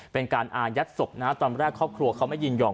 เป็นการอายัดศพนะตอนแรกครอบครัวเขาไม่ยินยอม